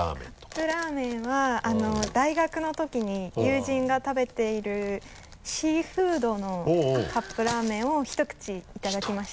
カップラーメンは大学のときに友人が食べているシーフードのカップラーメンをひと口いただきました。